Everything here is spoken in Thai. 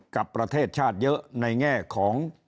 กับประเทศชาติเยอะในแง่ของ